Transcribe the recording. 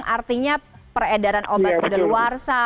artinya peredaran obat kegeluarasa